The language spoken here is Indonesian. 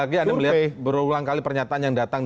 sekali lagi ada melihat berulang kali pernyataan yang datang